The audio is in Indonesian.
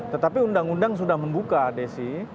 tetapi undang undang sudah membuka desi